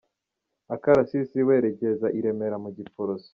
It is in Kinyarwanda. Akarasisi werekeza i Remera mu Giporoso